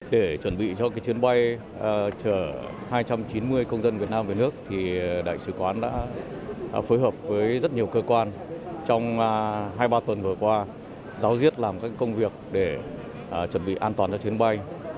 để chuẩn bị cho chuyến bay chở hai trăm chín mươi công dân việt nam về nước đại sứ quán đã phối hợp với rất nhiều cơ quan trong hai ba tuần vừa qua giáo diết làm các công việc để chuẩn bị an toàn cho chuyến bay